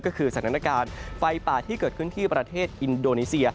ก็คือสถานการณ์ไฟป่าที่เกิดขึ้นที่ประเทศอินโดนีเซีย